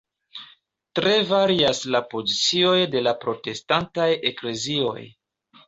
Tre varias la pozicioj de la protestantaj Eklezioj.